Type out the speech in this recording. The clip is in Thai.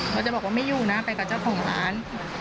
เขาจะบอกว่าไม่อยู่นะไปกับเจ้าของร้าน